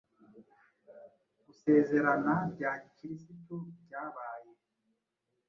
Gusezerana bya gikirisitu byabaye